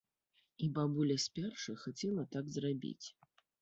І бабуля спярша хацела так зрабіць.